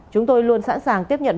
chúng tôi luôn sẵn sàng tiếp nhận